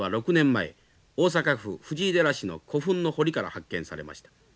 大阪府藤井寺市の古墳の堀から発見されました。